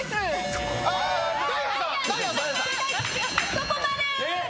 そこまで！